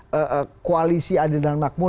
kekuasaan di koalisi adil dan makmur